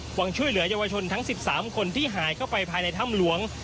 หวังช่วยเหลือเยาวชนทั้ง๑๓คนที่หายเข้าไปภายในถ้ำหลวง